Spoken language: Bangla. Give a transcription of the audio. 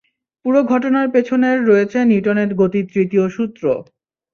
পুরো ঘটনার পেছনের রয়েছে নিউটনের গতির তৃতীয় সূত্র।